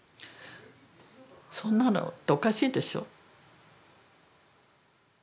そんなのっておかしいでしょ。